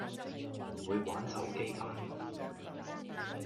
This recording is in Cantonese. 唔會玩手機版